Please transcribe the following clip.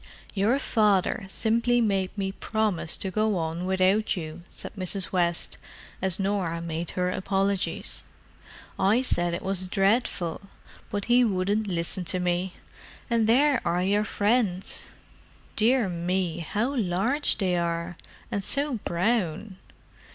"Your father simply made me promise to go on without you," said Mrs. West, as Norah made her apologies. "I said it was dreadful, but he wouldn't listen to me. And there are your friends! Dear me, how large they are, and so brown!